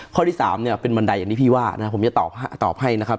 ถ้าเราใช้ข้อที่๓เป็นบันไดอย่างที่พี่ว่าผมจะตอบให้นะครับ